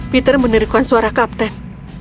peter menerikkan suara kapten